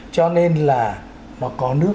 cho nên là nó có nước